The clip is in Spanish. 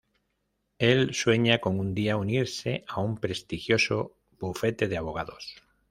Él sueña con un día unirse a un prestigioso bufete de abogados.